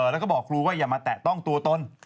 แล้วก็บอกครูว่าอย่ามาแตะต้องตัวตน